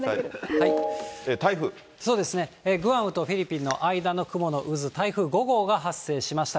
そうですね、グアムとフィリピンの間の雲の渦、台風５号が発生しました。